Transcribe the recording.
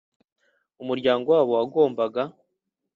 umuryango wabo wagombaga